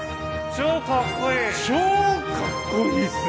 超カッコいいっすね！